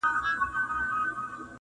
ما کله کله د جانان کلي ته شپه راؤړې